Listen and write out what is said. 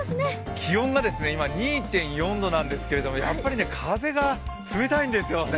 気温が今、２．４度なんですけどやっぱり風が冷たいんですよね。